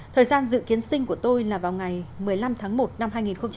thời gian dự kiến sinh của tôi là vào ngày một mươi năm tháng một năm hai nghìn hai mươi